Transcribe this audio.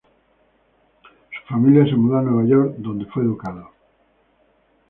Su familia se mudó a Nueva York, donde fue educado.